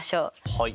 はい。